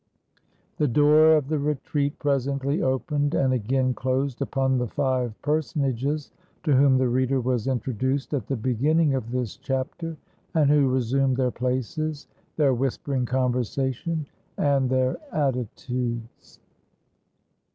215 FRANCE The door of the retreat presently opened and again dosed upon the five personages to whom the reader was introduced at the beginning of this chapter, and who resumed their places, their whispering conversation, and their attitudes.